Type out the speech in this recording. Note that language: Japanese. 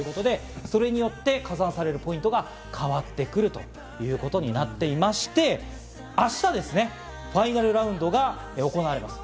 それによって加算されるポイントが変わってくるということになっていますして、明日、ファイナルラウンドが行われます。